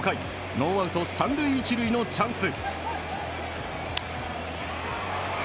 ノーアウト３塁１塁のチャンス。